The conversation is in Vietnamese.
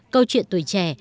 câu chuyện tuổi trẻ